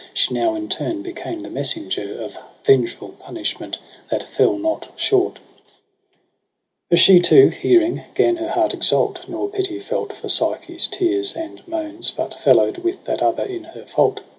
She now in turn became the messenger Of vengeful punishment, that fell not short : For she too hearing gan her heart exalt. Nor pity felt for Psyche's tears and moans. But, fellow'd with that other in her fault.